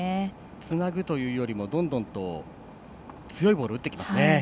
つなぐというよりもどんどんと強いボールを打ってきますね。